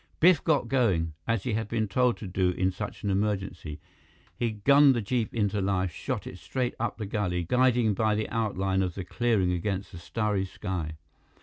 Biff got going, as he had been told to do in such an emergency. He gunned the jeep into life, shot it straight up the gully, guiding by the outline of the clearing against the starry sky.